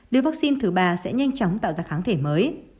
liều vắc xin thứ ba sẽ nhanh chóng tạo ra kháng thể mới